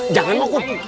jangan mau kum